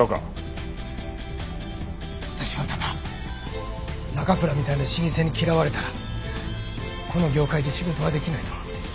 私はただ奈可倉みたいな老舗に嫌われたらこの業界で仕事はできないと思って。